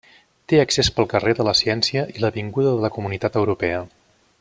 Té accés pel carrer de la Ciència i l'avinguda de la Comunitat Europea.